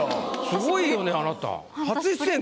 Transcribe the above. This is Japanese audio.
すごいよねあなた。